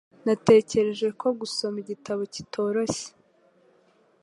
Natekereje ko gusoma igitabo kitoroshye.